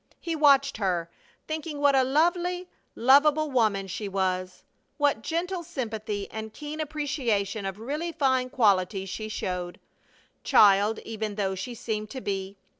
He watched her, thinking what a lovely, lovable woman she was, what gentle sympathy and keen appreciation of really fine qualities she showed, child even though she seemed to be!